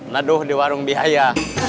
naduh di warung biaya